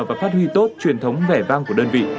và phát huy tốt truyền thống vẻ vang của đơn vị